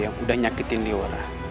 yang udah nyakitin leora